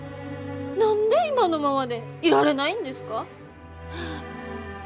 何で今のままでいられないんですか？